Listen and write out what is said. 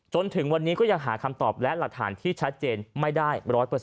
จนถึงวันนี้ก็ยังหาคำตอบและหลักฐานที่ชัดเจนไม่ได้๑๐๐